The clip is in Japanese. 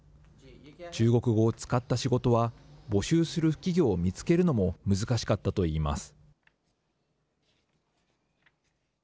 中国語を使った仕事は、募集する企業を見つけるのも難しかったといいます。